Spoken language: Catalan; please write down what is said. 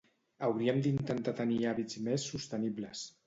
Hauríem d'intentar tenir hàbits més sostenibles.